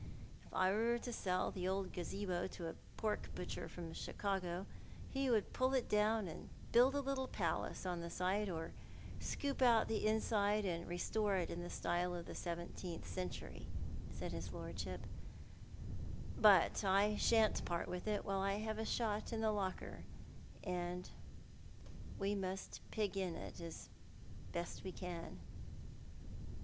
" If I were to sell the old gazal)o to a pork butcher from Chicago he would pull it down and build a little palace on the site, or scoop out the inside and restore it in the stOc of the seventeenth century," said his lordship; "but I shan't part A Mariage de Convenance^ 29 with it while I have a shot in the locker, and we must pig in it as best we can."